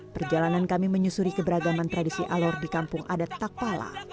perjalanan kami menyusuri keberagaman tradisi alor di kampung adat takpala